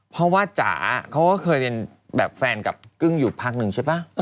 เพราะว่าจ๋าเค้าก็คือแฟนกับกึ้งอยู่พักนึงใช่ป๊ะ